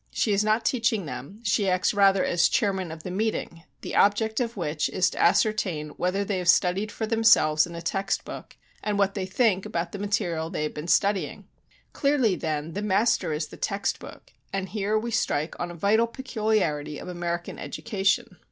She is not teaching them; she acts rather as chairman of the meeting, the object of which is to ascertain whether they have studied for themselves in a text book, and what they think about the material they have been studying. Clearly, then, the master is the text book, and here we strike on a vital peculiarity of American education.